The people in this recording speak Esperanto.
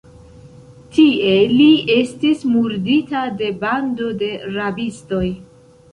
Tie li estis murdita de bando de rabistoj.